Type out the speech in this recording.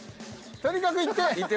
とにかく行って！